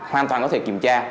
hoàn toàn có thể kiểm tra